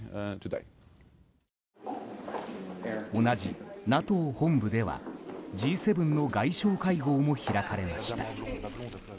同じＮＡＴＯ本部ではＧ７の外相会合も開かれました。